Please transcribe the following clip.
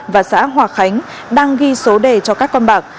và xã hòa khánh đang ghi số đề cho các con bạc